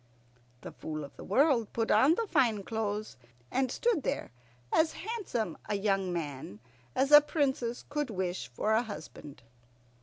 The Fool of the World put on the fine clothes, and stood there as handsome a young man as a princess could wish for a husband.